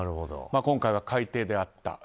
今回は海底であった。